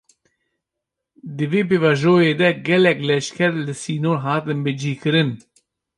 Di vê pêvajoyê de gelek leşker, li sînor hatin bicih kirin